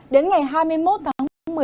đến ngày hai mươi một tháng một mươi một